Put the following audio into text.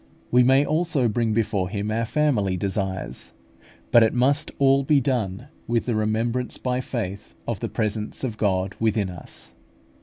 We may also bring before Him our family desires; but it must all be done with the remembrance by faith of the presence of God within us.